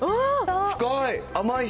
深い！